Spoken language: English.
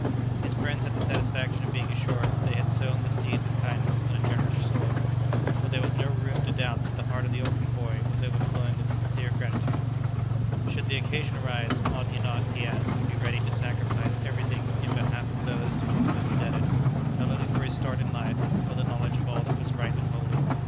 His friends had the satisfaction of being assured that they had sown the seeds of kindness on a generous soil, for there was no room to doubt that the heart of the orphan boy was overflowing with sincere gratitude. Should the occasion arise, ought he not, he asked, to be ready to sacrifice everything in behalf of those to whom he was indebted not only for his start in life, but for the knowledge of all that was right and holy?